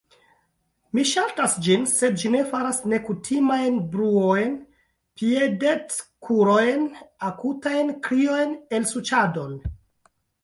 Mi ŝaltas ĝin, sed ĝi faras nekutimajn bruojn: piedetkurojn, akutajn kriojn, elsuĉadon...